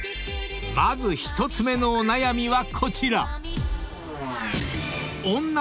［まず１つ目のお悩みはこちら］